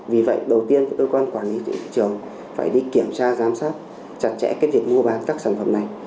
vì vậy đầu tiên các đối quan quản lý thị trường phải đi kiểm tra giám sát chặt chẽ kết liệt mua bán các sản phẩm này